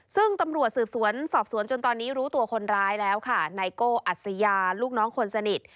ซึ่งตำรวจสืบสวนสอบสวนจนตอนนี้รู้ตัวคนร้ายแล้วค่ะไนโก้อัศยาลูกน้องคนสนิท